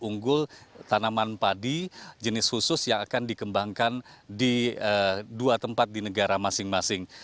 untuk menurut retno marsudi juga selain mengembangkan varietas atau bibit unggul tanaman padi jenis khusus yang akan dikembangkan di dua tempat di negara masing masing